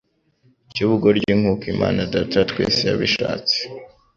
cy'ubugoryi nk'uko Imana Data wa twese yabishatse."